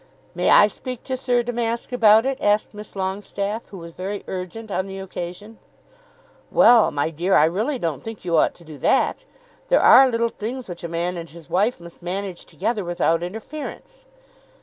"May I speak to Sir Damask about it?" asked Miss Longestaffe, who was very urgent on the occasion. "Well, my dear, I really don't think you ought to do that. There are little things which a man and his wife must manage together without interference."